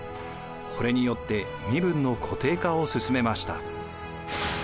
これによって身分の固定化を進めました。